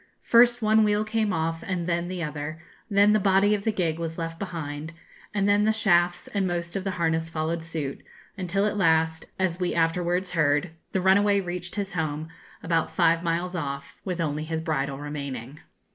First one wheel came off and then the other; then the body of the gig was left behind, and then the shafts and most of the harness followed suit; until at last as we afterwards heard the runaway reached his home, about five miles off, with only his bridle remaining.